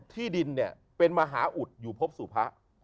ที่ดินเนี่ยเป็นมหาอุดอยู่พบสู่พระ